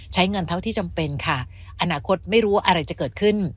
เงินเท่าที่จำเป็นค่ะอนาคตไม่รู้ว่าอะไรจะเกิดขึ้น